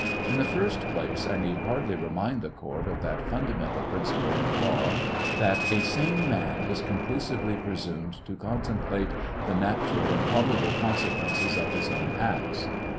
In the first place, I need hardly remind the court of that funda mental principle of law that " a sane man is conclusively presumed to contemplate the natural and probable consequences of his own acts."